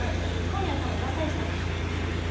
神谷さんもガッカリしたでしょ。